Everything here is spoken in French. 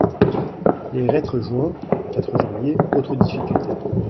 Les reîtres joints (quatre janvier), autre difficulté.